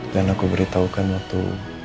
dan aku beritahukan waktu